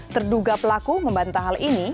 terduga pelaku membantah hal ini